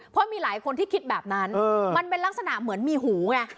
เพราะมีหลายคนที่คิดแบบนั้นมันเป็นลักษณะเหมือนมีหูไง